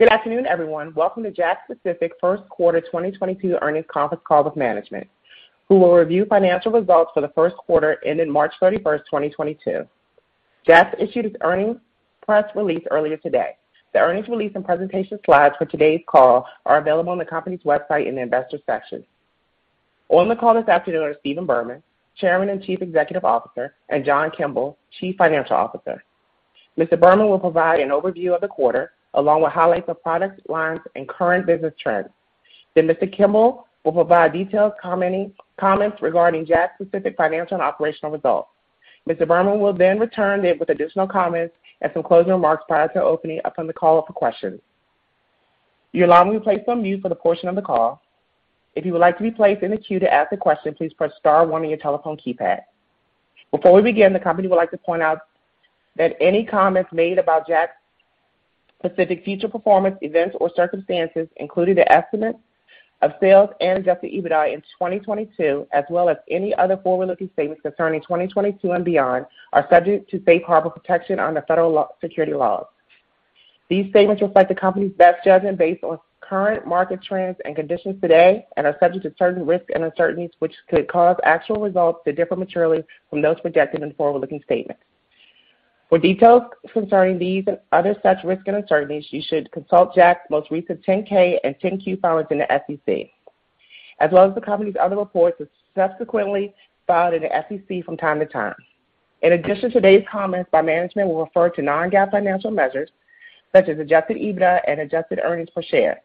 Good afternoon, everyone. Welcome to JAKKS Pacific Q1 2022 earnings conference call with management, who will review financial results for the Q1 ending March 31, 2022. JAKKS issued its earnings press release earlier today. The earnings release and presentation slides for today's call are available on the company's website in the Investors section. On the call this afternoon are Stephen Berman, Chairman and Chief Executive Officer, and John Kimble, Chief Financial Officer. Mr. Berman will provide an overview of the quarter, along with highlights of product lines and current business trends. Then Mr. Kimble will provide detailed comments regarding JAKKS Pacific financial and operational results. Mr. Berman will then return with additional comments and some closing remarks prior to opening up the call for questions. You are placed on mute for the portion of the call. If you would like to be placed in the queue to ask a question, please press star one on your telephone keypad. Before we begin, the company would like to point out that any comments made about JAKKS Pacific future performance events or circumstances, including the estimates of sales and adjusted EBITDA in 2022, as well as any other forward-looking statements concerning 2022 and beyond, are subject to safe harbor protection under federal securities laws. These statements reflect the company's best judgment based on current market trends and conditions today and are subject to certain risks and uncertainties which could cause actual results to differ materially from those projected in the forward-looking statements. For details concerning these and other such risks and uncertainties, you should consult JAKKS' most recent Form 10-K and Form 10-Q filings in the SEC, as well as the company's other reports subsequently filed in the SEC from time to time. In addition, today's comments by management will refer to non-GAAP financial measures such as adjusted EBITDA and adjusted earnings per share.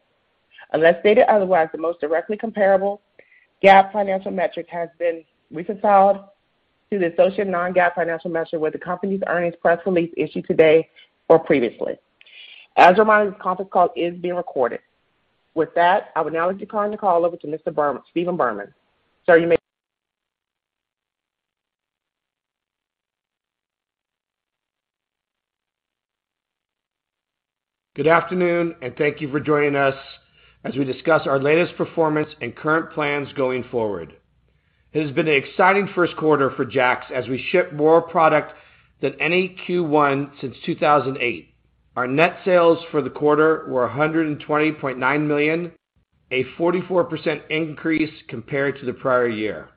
Unless stated otherwise, the most directly comparable GAAP financial metric has been reconciled to the associated non-GAAP financial measure with the company's earnings press release issued today or previously. As a reminder, this conference call is being recorded. With that, I would now like to turn the call over to Mr. Berman, Stephen Berman. Sir, you may- Good afternoon, and thank you for joining us as we discuss our latest performance and current plans going forward. It has been an exciting Q1 for JAKKS as we ship more product than any Q1 since 2008. Our net sales for the quarter were $120.9 million, a 44% increase compared to the prior year.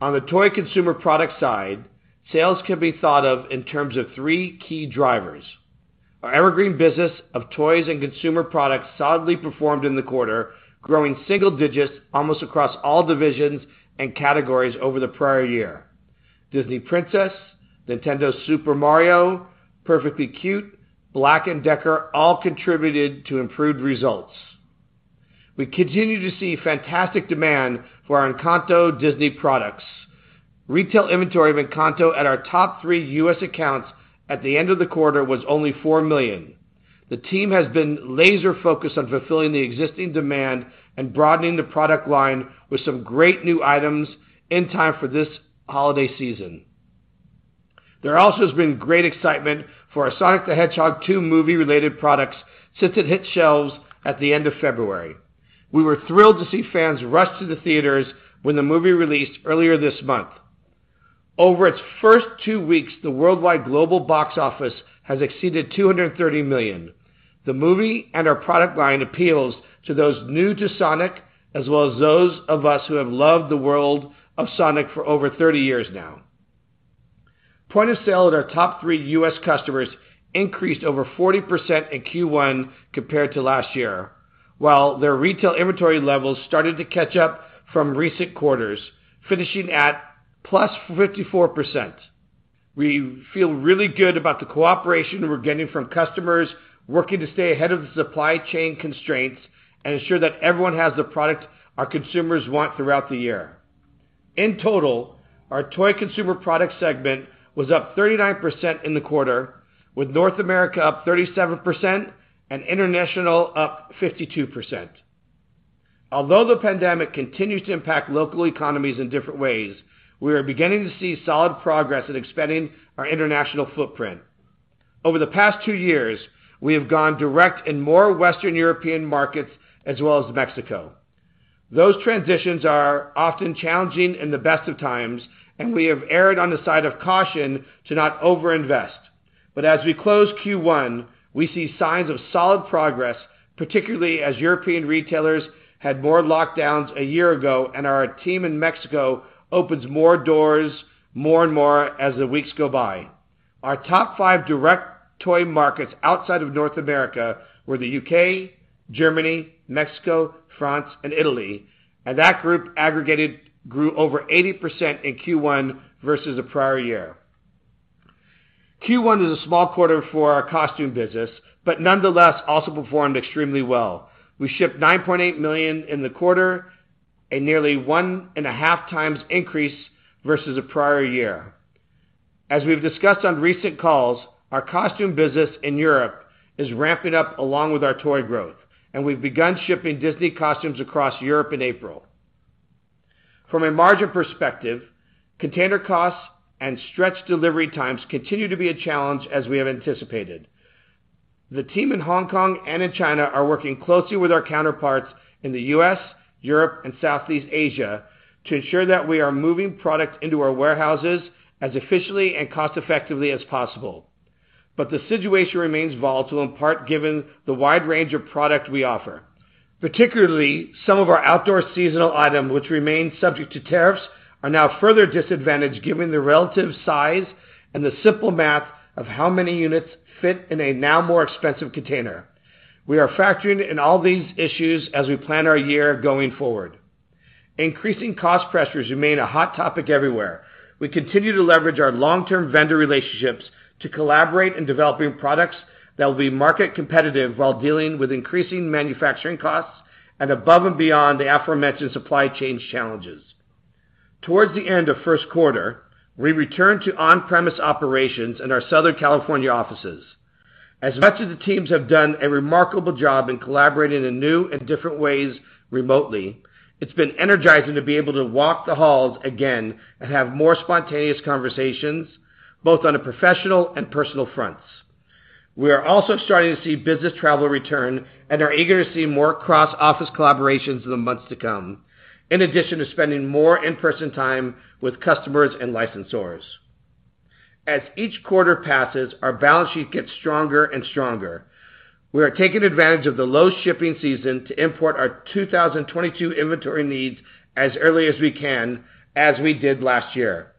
On the toy consumer product side, sales can be thought of in terms of three key drivers. Our evergreen business of toys and consumer products solidly performed in the quarter, growing single digits almost across all divisions and categories over the prior year. Disney Princess, Nintendo Super Mario, Perfectly Cute, BLACK+DECKER all contributed to improved results. We continue to see fantastic demand for our Encanto Disney products. Retail inventory of Encanto at our top three U.S. accounts at the end of the quarter was only $4 million. The team has been laser-focused on fulfilling the existing demand and broadening the product line with some great new items in time for this holiday season. There also has been great excitement for our Sonic the Hedgehog 2 movie-related products since it hit shelves at the end of February. We were thrilled to see fans rush to the theaters when the movie released earlier this month. Over its first two weeks, the worldwide global box office has exceeded $230 million. The movie and our product line appeals to those new to Sonic, as well as those of us who have loved the world of Sonic for over 30 years now. Point of sale at our top three U.S. customers increased over 40% in Q1 compared to last year, while their retail inventory levels started to catch up from recent quarters, finishing at +54%. We feel really good about the cooperation we're getting from customers working to stay ahead of the supply chain constraints and ensure that everyone has the product our consumers want throughout the year. In total, our toy consumer product segment was up 39% in the quarter, with North America up 37% and international up 52%. Although the pandemic continues to impact local economies in different ways, we are beginning to see solid progress in expanding our international footprint. Over the past 2 years, we have gone direct in more Western European markets as well as Mexico. Those transitions are often challenging in the best of times, and we have erred on the side of caution to not overinvest. As we close Q1, we see signs of solid progress, particularly as European retailers had more lockdowns a year ago and our team in Mexico opens more doors more and more as the weeks go by. Our top five direct toy markets outside of North America were the UK, Germany, Mexico, France, and Italy, and that group aggregated grew over 80% in Q1 versus the prior year. Q1 is a small quarter for our costume business, but nonetheless also performed extremely well. We shipped $9.8 million in the quarter, a nearly 1.5 times increase versus the prior year. As we've discussed on recent calls, our costume business in Europe is ramping up along with our toy growth, and we have begun shipping Disney costumes across Europe in April. From a margin perspective, container costs and stretched delivery times continue to be a challenge as we have anticipated. The team in Hong Kong and in China are working closely with our counterparts in the U.S., Europe, and Southeast Asia to ensure that we are moving product into our warehouses as efficiently and cost-effectively as possible. The situation remains volatile, in part given the wide range of product we offer. Particularly, some of our outdoor seasonal items, which remain subject to tariffs, are now further disadvantaged given their relative size and the simple math of how many units fit in a now more expensive container. We are factoring in all these issues as we plan our year going forward. Increasing cost pressures remain a hot topic everywhere. We continue to leverage our long-term vendor relationships to collaborate in developing products that will be market competitive while dealing with increasing manufacturing costs and above and beyond the aforementioned supply chain challenges. Towards the end of Q1, we returned to on-premise operations in our Southern California offices. As much as the teams have done a remarkable job in collaborating in new and different ways remotely, it's been energizing to be able to walk the halls again and have more spontaneous conversations, both on a professional and personal fronts. We are also starting to see business travel return and are eager to see more cross-office collaborations in the months to come, in addition to spending more in-person time with customers and licensors. As each quarter passes, our balance sheet gets stronger and stronger. We are taking advantage of the low shipping season to import our 2022 inventory needs as early as we can, as we did last year,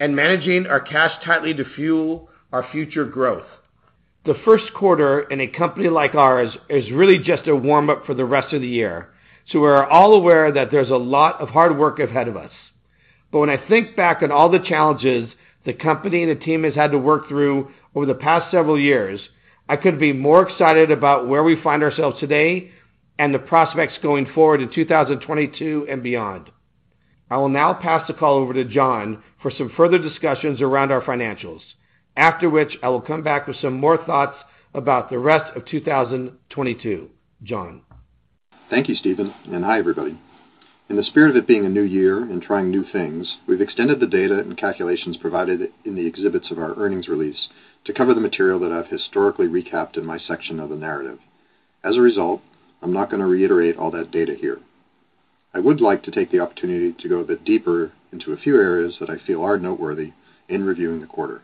and managing our cash tightly to fuel our future growth. The Q1 in a company like ours is really just a warm-up for the rest of the year, so we're all aware that there's a lot of hard work ahead of us. When I think back on all the challenges the company and the team has had to work through over the past several years, I couldn't be more excited about where we find ourselves today and the prospects going forward in 2022 and beyond. I will now pass the call over to John for some further discussions around our financials, after which I will come back with some more thoughts about the rest of 2022. John? Thank you, Stephen, and hi, everybody. In the spirit of it being a new year and trying new things, we've extended the data and calculations provided in the exhibits of our earnings release to cover the material that I've historically recapped in my section of the narrative. As a result, I'm not gonna reiterate all that data here. I would like to take the opportunity to go a bit deeper into a few areas that I feel are noteworthy in reviewing the quarter.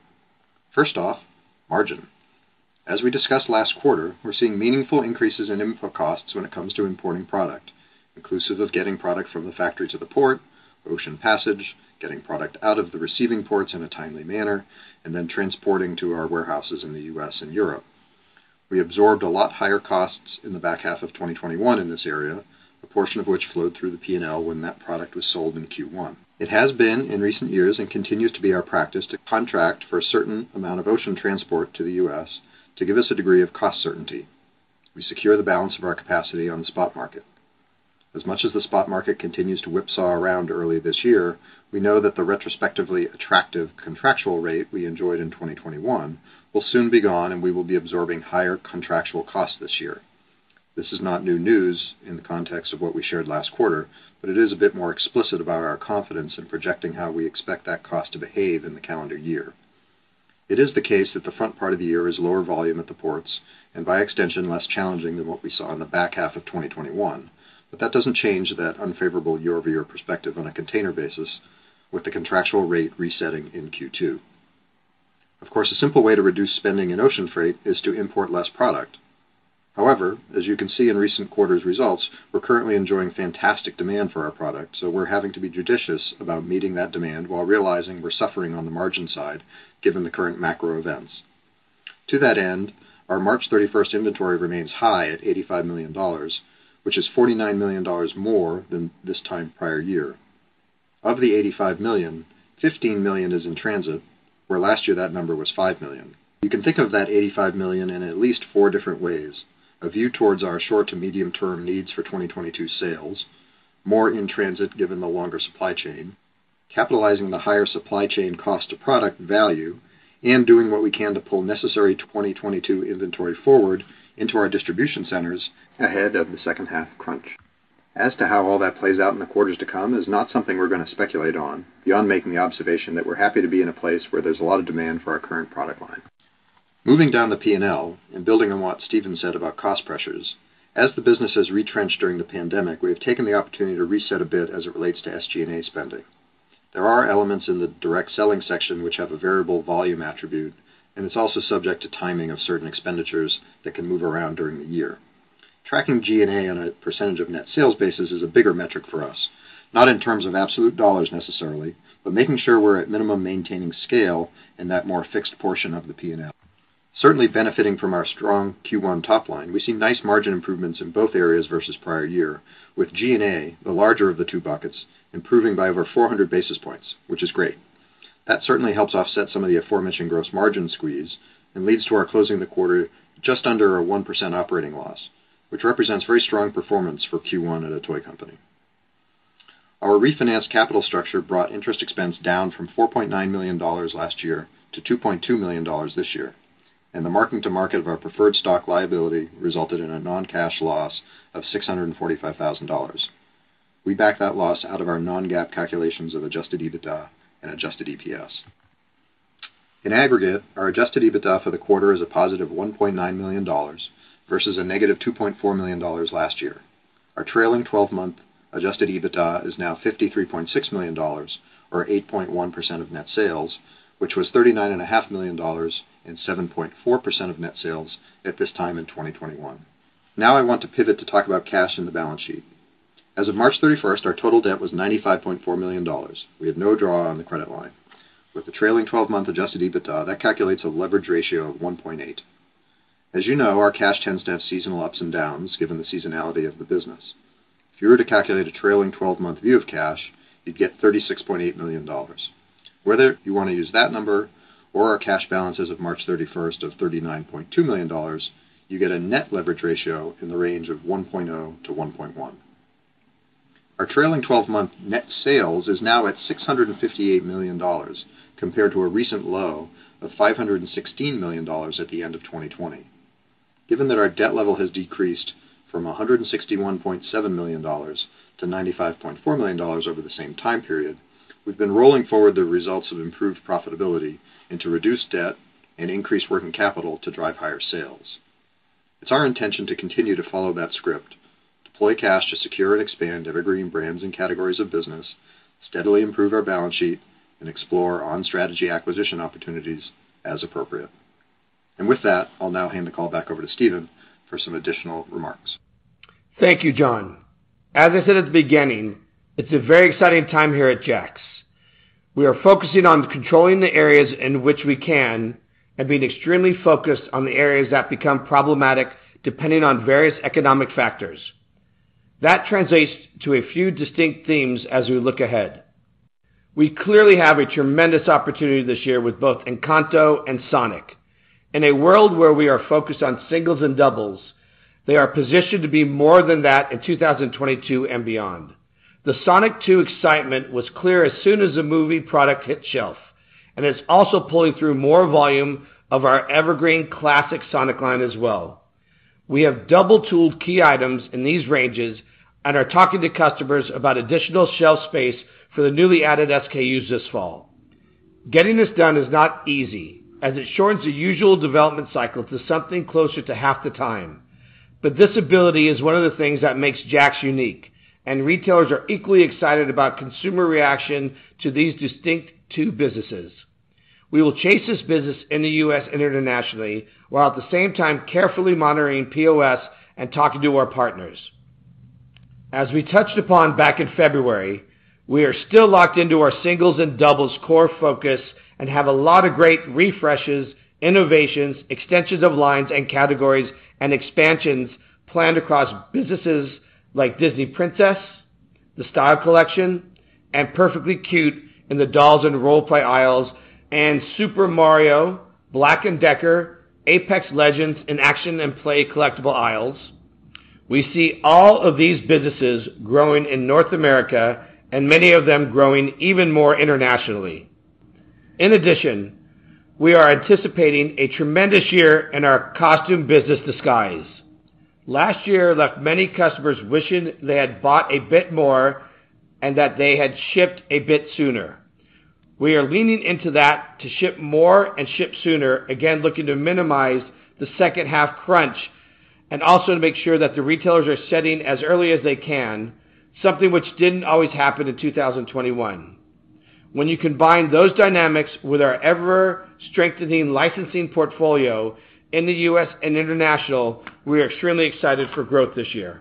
First off, margin. As we discussed last quarter, we're seeing meaningful increases in input costs when it comes to importing product, inclusive of getting product from the factory to the port, ocean passage, getting product out of the receiving ports in a timely manner, and then transporting to our warehouses in the US and Europe. We absorbed a lot higher costs in the back half of 2021 in this area, a portion of which flowed through the P&L when that product was sold in Q1. It has been in recent years and continues to be our practice to contract for a certain amount of ocean transport to the U.S. to give us a degree of cost certainty. We secure the balance of our capacity on the spot market. As much as the spot market continues to whipsaw around early this year, we know that the retrospectively attractive contractual rate we enjoyed in 2021 will soon be gone, and we will be absorbing higher contractual costs this year. This is not new news in the context of what we shared last quarter, but it is a bit more explicit about our confidence in projecting how we expect that cost to behave in the calendar year. It is the case that the front part of the year is lower volume at the ports and by extension, less challenging than what we saw in the back half of 2021. That doesn't change that unfavorable year-over-year perspective on a container basis with the contractual rate resetting in Q2. Of course, a simple way to reduce spending in ocean freight is to import less product. However, as you can see in recent quarters results, we're currently enjoying fantastic demand for our product, so we are having to be judicious about meeting that demand while realizing we're suffering on the margin side given the current macro events. To that end, our March 31st inventory remains high at $85 million, which is $49 million more than this time prior year. Of the $85 million, $15 million is in transit, where last year that number was $5 million. You can think of that $85 million in at least four different ways, a view towards our short to medium term needs for 2022 sales, more in transit given the longer supply chain, capitalizing the higher supply chain cost of product value, and doing what we can to pull necessary 2022 inventory forward into our distribution centers ahead of the second half crunch. As to how all that plays out in the quarters to come is not something we're gonna speculate on beyond making the observation that we are happy to be in a place where there's a lot of demand for our current product line. Moving down the P&L and building on what Stephen said about cost pressures, as the business has retrenched during the pandemic, we have taken the opportunity to reset a bit as it relates to SG&A spending. There are elements in the direct selling section which have a variable volume attribute, and it's also subject to timing of certain expenditures that can move around during the year. Tracking G&A on a percentage of net sales basis is a bigger metric for us, not in terms of absolute dollars necessarily, but making sure we are at minimum maintaining scale in that more fixed portion of the P&L. Certainly benefiting from our strong Q1 top line, we see nice margin improvements in both areas versus prior year with G&A, the larger of the two buckets, improving by over 400 basis points, which is great. That certainly helps offset some of the aforementioned gross margin squeeze and leads to our closing the quarter just under a 1% operating loss, which represents very strong performance for Q1 at a toy company. Our refinanced capital structure brought interest expense down from $4.9 million last year to $2.2 million this year, and the marking to market of our preferred stock liability resulted in a non-cash loss of $645,000. We back that loss out of our non-GAAP calculations of adjusted EBITDA and adjusted EPS. In aggregate, our adjusted EBITDA for the quarter is a positive $1.9 million versus a negative $2.4 million last year. Our trailing 12-month adjusted EBITDA is now $53.6 million, or 8.1% of net sales, which was $39.5 million and 7.4% of net sales at this time in 2021. Now I want to pivot to talk about cash in the balance sheet. As of March 31, our total debt was $95.4 million. We had no draw on the credit line. With the trailing 12-month adjusted EBITDA, that calculates a leverage ratio of 1.8. As you know, our cash tends to have seasonal ups and downs given the seasonality of the business. If you were to calculate a trailing 12-month view of cash, you'd get $36.8 million. Whether you want to use that number or our cash balance as of March 31 of $39.2 million, you get a net leverage ratio in the range of 1.0-1.1. Our trailing 12-month net sales is now at $658 million compared to a recent low of $516 million at the end of 2020. Given that our debt level has decreased from $161.7 million to $95.4 million over the same time period, we've been rolling forward the results of improved profitability into reduced debt and increased working capital to drive higher sales. It's our intention to continue to follow that script, deploy cash to secure and expand evergreen brands and categories of business, steadily improve our balance sheet and explore on strategy acquisition opportunities as appropriate. With that, I'll now hand the call back over to Stephen for some additional remarks. Thank you, John. As I said at the beginning, it's a very exciting time here at JAKKS. We are focusing on controlling the areas in which we can and being extremely focused on the areas that become problematic, depending on various economic factors. That translates to a few distinct themes as we look ahead. We clearly have a tremendous opportunity this year with both Encanto and Sonic. In a world where we are focused on singles and doubles, they are positioned to be more than that in 2022 and beyond. The Sonic 2 excitement was clear as soon as the movie product hit shelves, and it's also pulling through more volume of our evergreen classic Sonic line as well. We have double tooled key items in these ranges and are talking to customers about additional shelf space for the newly added SKUs this fall. Getting this done is not easy as it shortens the usual development cycle to something closer to half the time. This ability is one of the things that makes JAKKS unique, and retailers are equally excited about consumer reaction to these distinct two businesses. We will chase this business in the US and internationally, while at the same time carefully monitoring POS and talking to our partners. As we touched upon back in February, we are still locked into our singles and doubles core focus and have a lot of great refreshes, innovations, extensions of lines and categories and expansions planned across businesses like Disney Princess, the Style Collection, and Perfectly Cute in the dolls and role play aisles, and Super Mario, BLACK+DECKER, Apex Legends in action and play collectible aisles. We see all of these businesses growing in North America and many of them growing even more internationally. In addition, we are anticipating a tremendous year in our costume business Disguise. Last year left many customers wishing they had bought a bit more and that they had shipped a bit sooner. We are leaning into that to ship more and ship sooner, again, looking to minimize the second half crunch and also to make sure that the retailers are setting as early as they can, something which didn't always happen in 2021. When you combine those dynamics with our ever strengthening licensing portfolio in the US and international, we are extremely excited for growth this year.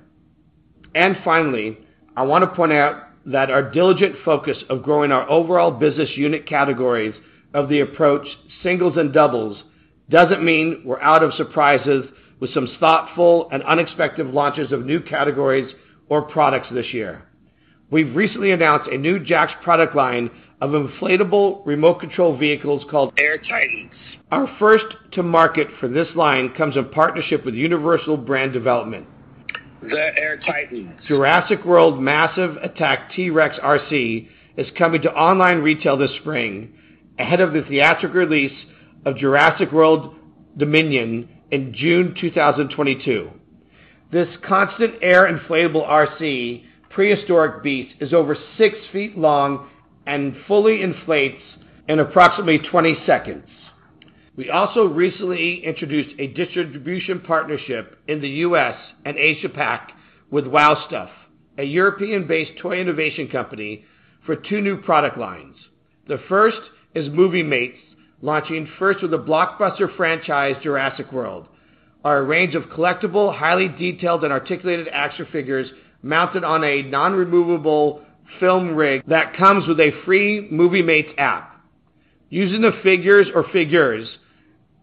Finally, I want to point out that our diligent focus on growing our overall business unit categories through the approach of singles and doubles doesn't mean we're out of surprises with some thoughtful and unexpected launches of new categories or products this year. We've recently announced a new JAKKS product line of inflatable remote control vehicles called AirTitans. Our first to market for this line comes in partnership with Universal Brand Development. The AirTitans Jurassic World Massive Attack T-Rex R/C is coming to online retail this spring ahead of the theatrical release of Jurassic World: Dominion in June 2022. This constant air inflatable RC prehistoric beast is over 6 feet long and fully inflates in approximately 20 seconds. We also recently introduced a distribution partnership in the U.S. and Asia-Pac with Wow! Stuff, a European-based toy innovation company for two new product lines. The first is MovieMates, launching first with a blockbuster franchise, Jurassic World. Our range of collectible, highly detailed and articulated action figures mounted on a non-removable film rig that comes with a free MovieMates app. Using the figures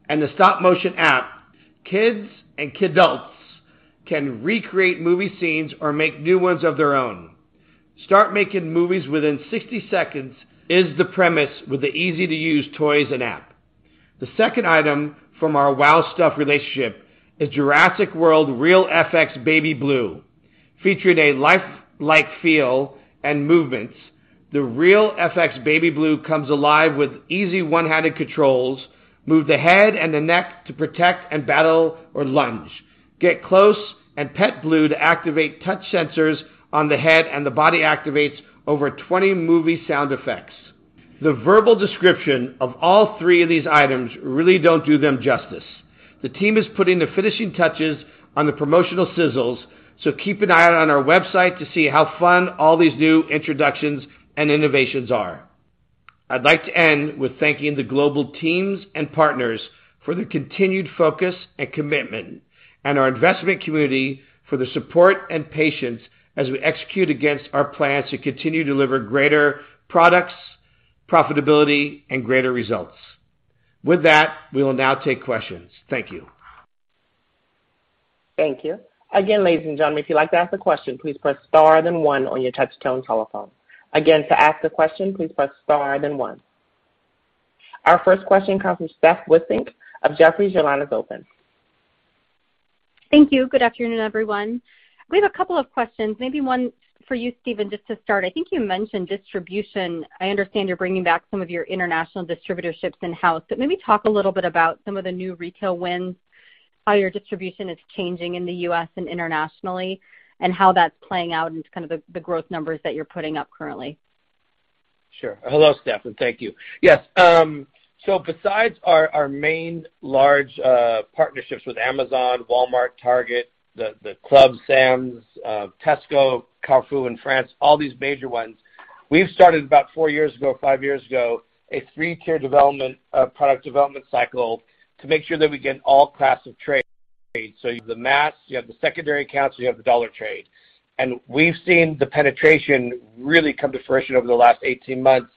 and the stop motion app, kids and kidults can recreate movie scenes or make new ones of their own. Start making movies within 60 seconds is the premise with the easy to use toys and app. The second item from our Wow! Stuff relationship is Jurassic World RealFX Baby Blue. Featuring a lifelike feel and movements, the RealFX Baby Blue comes alive with easy one-handed controls. Move the head and the neck to protect and battle or lunge. Get close and pet Blue to activate touch sensors on the head, and the body activates over 20 movie sound effects. The verbal description of all three of these items really don't do them justice. The team is putting the finishing touches on the promotional sizzles, so keep an eye out on our website to see how fun all these new introductions and innovations are. I'd like to end with thanking the global teams and partners for their continued focus and commitment, and our investment community for their support and patience as we execute against our plans to continue to deliver greater products, profitability, and greater results. With that, we will now take questions. Thank you. Thank you. Again, ladies and gentlemen, if you'd like to ask a question, please press star, then one on your touch-tone telephone. Again, to ask a question, please press star, then one. Our first question comes from Stephanie Wissink of Jefferies. Your line is open. Thank you. Good afternoon, everyone. We have a couple of questions, maybe one for you, Stephen, just to start. I think you mentioned distribution. I understand you're bringing back some of your international distributorships in-house, but maybe talk a little bit about some of the new retail wins, how your distribution is changing in the U.S. and internationally, and how that's playing out into kind of the growth numbers that you're putting up currently? Sure. Hello, Steph, and thank you. Yes. Besides our main large partnerships with Amazon, Walmart, Target, the clubs, Sam's Club, Tesco, Carrefour in France, all these major ones, we have started about 4 years ago, 5 years ago, a 3-tier development, product development cycle to make sure that we get all classes of trade. You have the mass, you have the secondary accounts, you have the dollar trade. We've seen the penetration really come to fruition over the last 18 months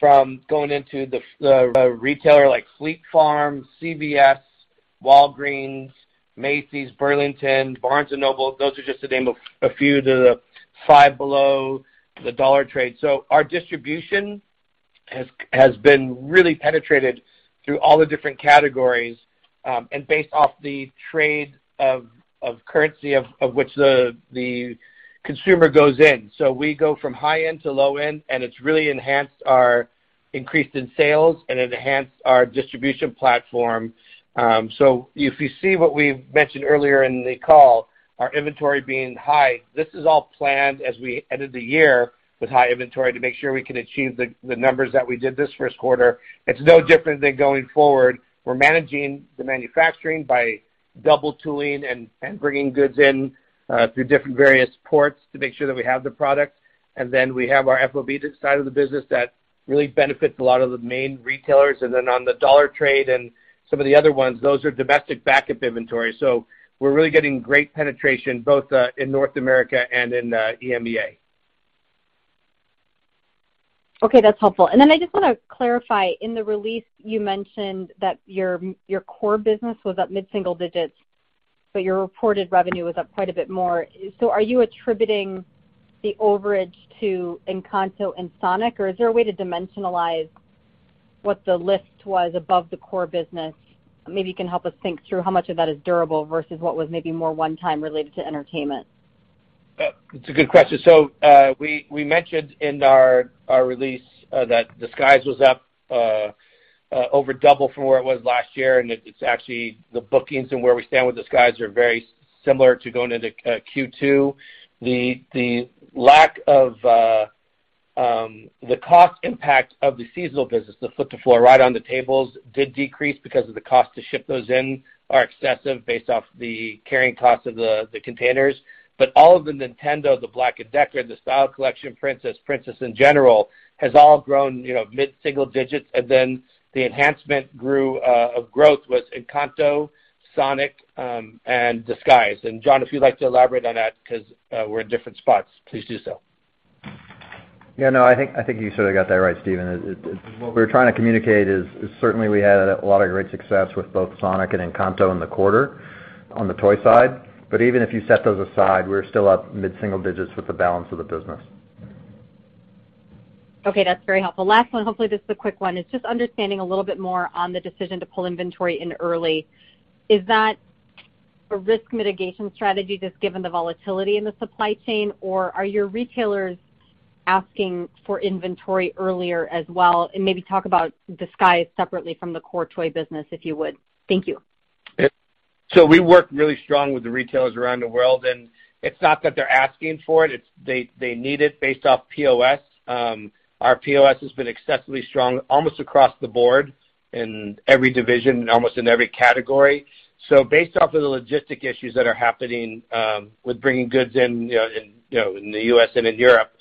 from going into the retailers like Fleet Farm, CVS, Walgreens, Macy's, Burlington, Barnes & Noble. Those are just to name a few. The Five Below, the dollar trade. Our distribution has been really penetrated through all the different categories, and based off the trade of currency of which the consumer goes in. We go from high-end to low-end, and it's really enhanced our increase in sales and enhanced our distribution platform. If you see what we've mentioned earlier in the call, our inventory being high, this is all planned as we ended the year with high inventory to make sure we can achieve the numbers that we did this Q1. It's no different than going forward. We're managing the manufacturing by double tooling and bringing goods in through different various ports to make sure that we have the product. Then we have our FOB side of the business that really benefits a lot of the main retailers. Then on the dollar trade and some of the other ones, those are domestic backup inventory. We are really getting great penetration both in North America and in EMEA. Okay, that's helpful. Then I just wanna clarify, in the release, you mentioned that your core business was up mid-single digits, but your reported revenue was up quite a bit more. Are you attributing the overage to Encanto and Sonic, or is there a way to dimensionalize what the lift was above the core business? Maybe you can help us think through how much of that is durable versus what was maybe more one-time related to entertainment. It's a good question. We mentioned in our release that Disguise was up over double from where it was last year, and it's actually the bookings and where we stand with Disguise are very similar to going into Q2. The lack of the cost impact of the seasonal business, the put to floor right on the tables did decrease because of the cost to ship those in are excessive based off the carrying cost of the containers. All of the Nintendo, the BLACK+DECKER, the Style Collection, Princess in general has all grown, you know, mid-single digits. Then the enhancement of growth was Encanto, Sonic, and Disguise. John Kimble, if you'd like to elaborate on that because we're in different spots, please do so. Yeah, no, I think you sort of got that right, Stephen. What we're trying to communicate is certainly we had a lot of great success with both Sonic and Encanto in the quarter on the toy side. Even if you set those aside, we're still up mid-single digits with the balance of the business. Okay, that's very helpful. Last one, hopefully this is a quick one. It's just understanding a little bit more on the decision to pull inventory in early. Is that a risk mitigation strategy just given the volatility in the supply chain, or are your retailers asking for inventory earlier as well? And maybe talk about Disguise separately from the core toy business, if you would. Thank you. We work really strong with the retailers around the world, and it's not that they're asking for it's they need it based off POS. Our POS has been excessively strong almost across the board in every division and almost in every category. Based off of the logistics issues that are happening with bringing goods in, you know, in the US and in Europe,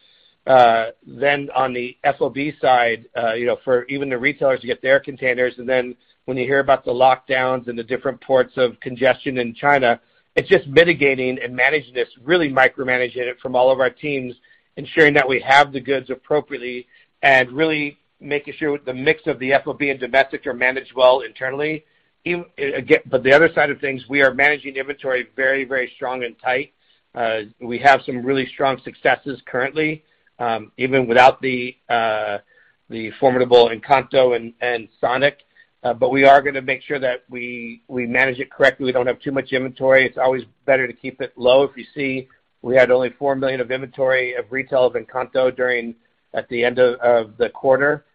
then on the FOB side, you know, for even the retailers to get their containers, and then when you hear about the lockdowns and the different port congestion in China, it's just mitigating and managing this, really micromanaging it from all of our teams, ensuring that we have the goods appropriately and really making sure the mix of the FOB and domestic are managed well internally. The other side of things, we are managing inventory very strong and tight. We have some really strong successes currently, even without the formidable Encanto and Sonic. We are gonna make sure that we manage it correctly, we don't have too much inventory. It's always better to keep it low. If you see, we had only $4 million of inventory of retail of Encanto during at the end of the quarter.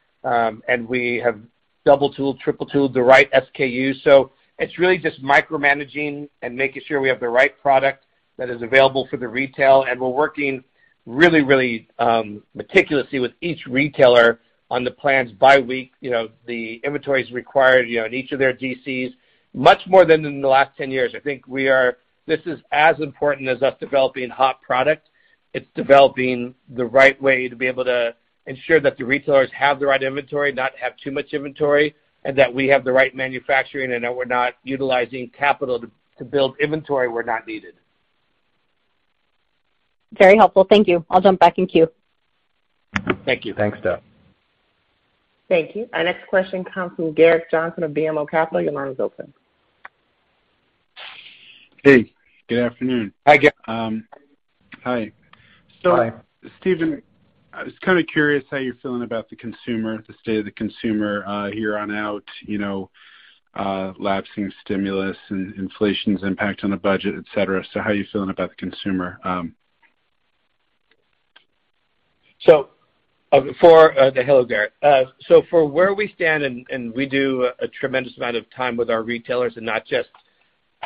We have double tooled, triple tooled, the right SKU. So it's really just micromanaging and making sure we have the right product that is available for the retail. We're working really meticulously with each retailer on the plans by week, you know, the inventories required, you know, in each of their DCs much more than in the last 10 years. This is as important as us developing hot product. It's developing the right way to be able to ensure that the retailers have the right inventory, not have too much inventory, and that we have the right manufacturing and that we're not utilizing capital to build inventory where not needed. Very helpful. Thank you. I'll jump back in queue. Thank you. Thanks, Steph. Thank you. Our next question comes from Gerrick Johnson of BMO Capital Markets. Your line is open. Hey, good afternoon. Hi, Gerrick. Hi. Hi. Stephen, I was kind of curious how you're feeling about the consumer, the state of the consumer, here on out, you know, lapsing stimulus and inflation's impact on the budget, et cetera. How are you feeling about the consumer? Hello, Gerrick. For where we stand, we do a tremendous amount of time with our retailers and not just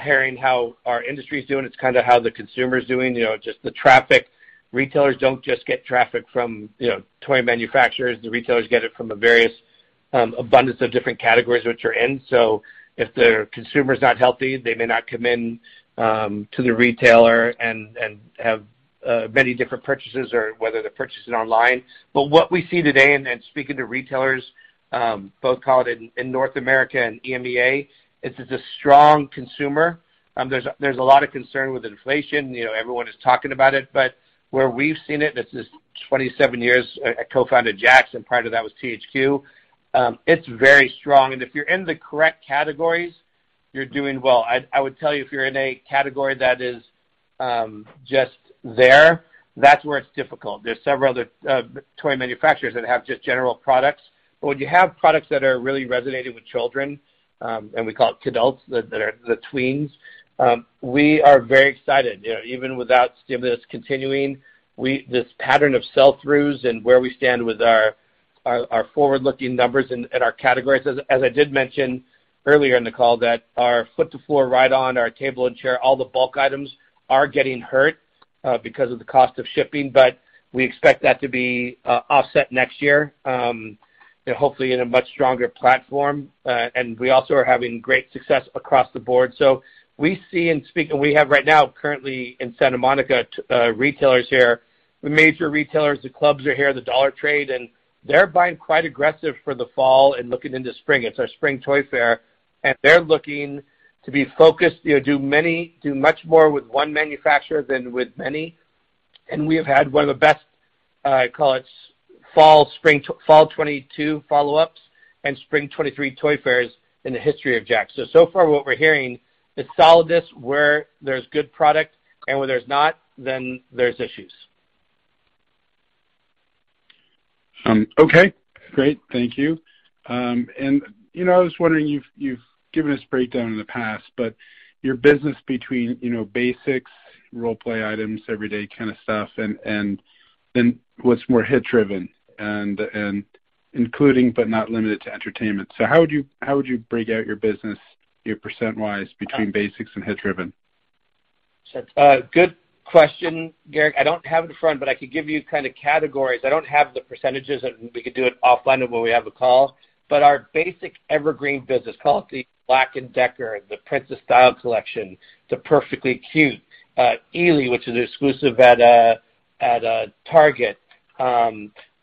hearing how our industry is doing. It's kind of how the consumer is doing, you know, just the traffic. Retailers don't just get traffic from, you know, toy manufacturers. The retailers get it from various abundance of different categories which are in. If their consumer is not healthy, they may not come in to the retailer and have many different purchases or whether they are purchasing online. What we see today, then speaking to retailers both in North America and EMEA, it's just a strong consumer. There's a lot of concern with inflation. You know, everyone is talking about it. Where we've seen it, this is 27 years, I co-founded JAKKS, and prior to that was THQ, it's very strong. If you're in the correct categories, you're doing well. I would tell you, if you're in a category that is just there, that's where it's difficult. There are several other toy manufacturers that have just general products, but when you have products that are really resonating with children, and we call it kidults, the tweens, we are very excited. You know, even without stimulus continuing, we this pattern of sell-throughs and where we stand with our forward-looking numbers and our categories. As I did mention earlier in the call, that our foot to floor ride-on, our table and chair, all the bulk items are getting hurt because of the cost of shipping. We expect that to be offset next year, hopefully in a much stronger platform. We also are having great success across the board. We have right now currently in Santa Monica retailers here, the major retailers, the clubs are here, the dollar trade, and they're buying quite aggressive for the fall and looking into spring. It's our Spring Toy Fair, and they're looking to be focused, you know, do much more with one manufacturer than with many. We have had one of the best, call it Fall 2022 follow-ups and Spring 2023 Toy Fairs in the history of JAKKS. So far, what we're hearing is solidness where there's good product, and where there's not, then there's issues. Okay, great. Thank you. You know, I was wondering, you've given us breakdown in the past, but your business between, you know, basics, role-play items, everyday kind of stuff, and then what's more hit-driven and including but not limited to entertainment. How would you break out your business, you know, percent-wise between basics and hit-driven? Good question, Gerrick. I don't have it in front, but I could give you kind of categories. I don't have the percentages and we could do it offline when we have a call. Our basic evergreen business, call it the BLACK+DECKER, the Disney Princess Style Collection, the Perfectly Cute, Eevee, which is exclusive at Target,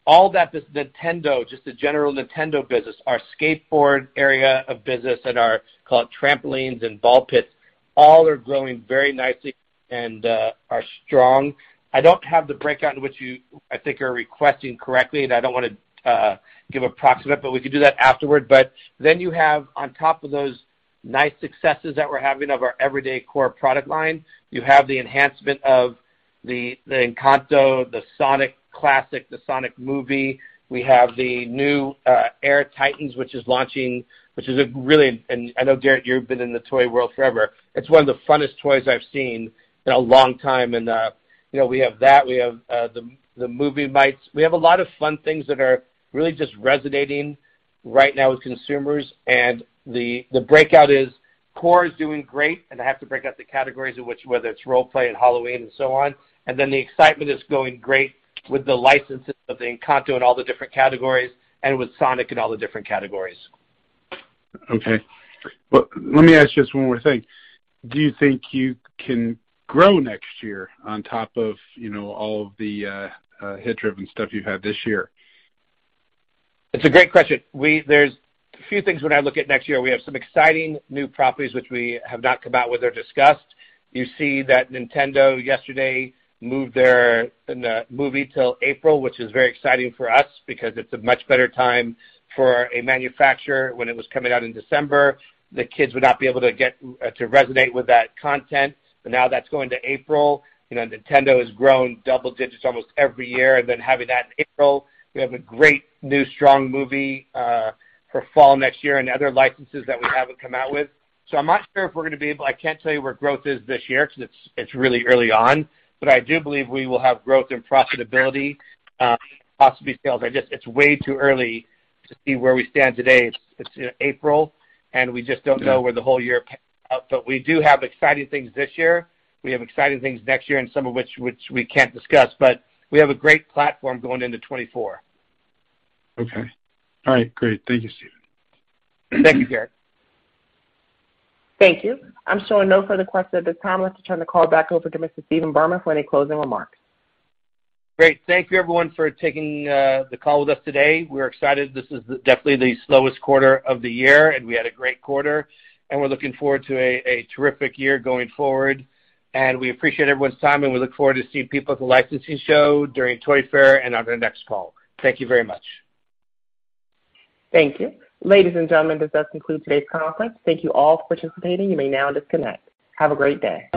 all that is Nintendo, just the general Nintendo business. Our skateboard area of business and our call it trampolines and ball pits all are growing very nicely and are strong. I don't have the breakout in which you, I think, are requesting correctly, and I don't wanna give approximate, but we could do that afterward. You have on top of those nice successes that we're having of our everyday core product line, you have the enhancement of the Encanto, the Sonic Classic, the Sonic movie. We have the new AirTitans, which is launching. I know, Gerrick, you've been in the toy world forever. It's one of the funnest toys I've seen in a long time. You know, we have that. We have the MovieMates. We have a lot of fun things that are really just resonating right now with consumers. Our core is doing great, and I have to break out the categories in which, whether it's role play and Halloween and so on. The excitement is going great with the licenses of the Encanto and all the different categories, and with Sonic and all the different categories. Okay. Well, let me ask you just one more thing. Do you think you can grow next year on top of, you know, all of the hit-driven stuff you have this year? It's a great question. There's a few things when I look at next year. We have some exciting new properties which we have not come out with or discussed. You see that Nintendo yesterday moved their movie till April, which is very exciting for us because it's a much better time for a manufacturer. When it was coming out in December, the kids would not be able to get to resonate with that content. But now that's going to April. You know, Nintendo has grown double digits almost every year. Then having that in April, we have a great new strong movie for fall next year and other licenses that we haven't come out with. So I'm not sure if we're gonna be able. I can't tell you where growth is this year 'cause it's really early on, but I do believe we will have growth and profitability, possibly sales. It's way too early to see where we stand today. It's you know, April, and we just don't know where the whole year pans out. We do have exciting things this year. We have exciting things next year and some of which we can't discuss. We have a great platform going into 2024. Okay. All right, great. Thank you, Stephen. Thank you, Gerrick. Thank you. I'm showing no further questions at this time. I'd like to turn the call back over to Mr. Stephen Berman for any closing remarks. Great. Thank you, everyone, for taking the call with us today. We're excited. This is definitely the slowest quarter of the year, and we had a great quarter, and we're looking forward to a terrific year going forward. We appreciate everyone's time, and we look forward to seeing people at the licensing show during Toy Fair and on our next call. Thank you very much. Thank you. Ladies and gentlemen, this does conclude today's conference. Thank you all for participating. You may now disconnect. Have a great day.